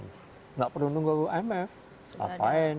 nggak perlu nunggu imf